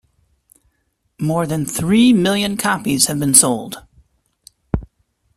More than three million copies have been sold.